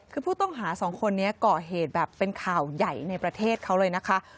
คือผู้ต้องหาสองคนนี้ก่อเหตุแบบเป็นข่าวใหญ่ในประเทศเขาเลยนะคะ